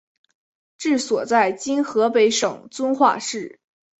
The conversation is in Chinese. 治所在今河北省遵化市。